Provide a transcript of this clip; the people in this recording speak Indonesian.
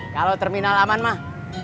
kalau terminal aman mah